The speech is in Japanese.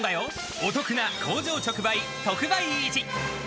お得な工場直売、特売市。